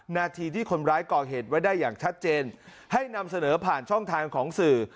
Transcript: นาทีที่คนร้ายก่อเหตุไว้ได้อย่างชัดเจนให้นำเสนอผ่านช่องทางของสื่อ